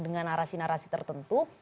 dengan narasi narasi tertentu